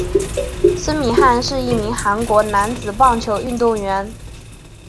孙敏汉是一名韩国男子棒球运动员。